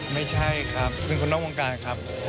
ไม่ใช่ครับเป็นคนนอกวงการครับ